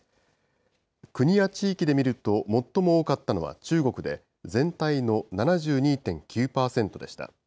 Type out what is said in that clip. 国や地域で見ると、最も多かったのは中国で、全体の７２．９％でした。